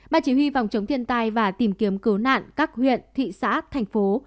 ban chỉ huy phòng chống thiên tai và tìm kiếm cứu nạn các huyện thị xã thành phố